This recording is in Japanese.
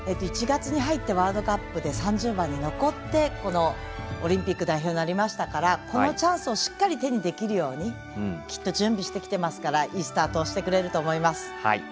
１月に入ってワールドカップで３０番に残ってこのオリンピック代表になりましたからこのチャンスをしっかり手にできるようにきっと、準備してきていますからいいスタートをしてくれると思います。